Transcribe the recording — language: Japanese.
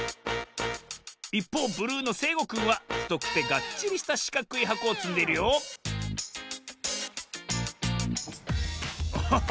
いっぽうブルーのせいごくんはふとくてがっちりしたしかくいはこをつんでいるよおっ！